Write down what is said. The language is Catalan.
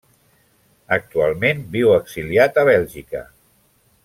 Actualment viu exiliat a Bèlgica.